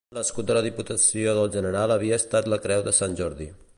L'escut de la Diputació del General havia estat la creu de Sant Jordi.